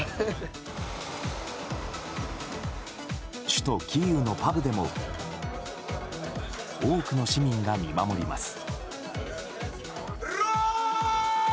首都キーウのパブでも多くの市民が見守ります。